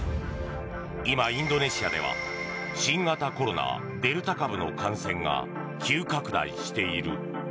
今、インドネシアでは新型コロナ、デルタ株の感染が急拡大している。